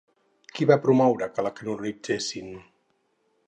Qui va promoure que la canonitzessin?